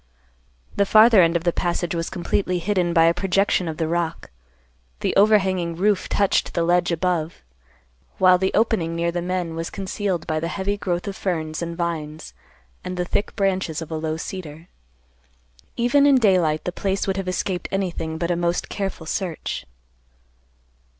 The farther end of the passage was completely hidden by a projection of the rock; the overhanging roof touched the ledge above; while the opening near the men was concealed by the heavy growth of ferns and vines and the thick branches of a low cedar. Even in daylight the place would have escaped anything but a most careful search.